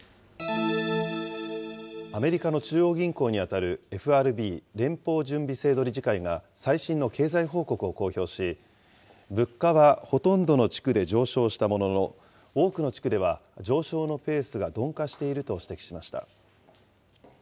アメリカの中央銀行に当たるＦＲＢ・連邦準備制度理事会が、最新の経済報告を公表し、物価はほとんどの地区で上昇したものの、多くの地区では上昇のペースが鈍化していると指摘しました。